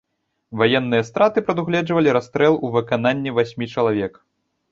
Ваенныя страты прадугледжвалі расстрэл у выкананні васьмі чалавек.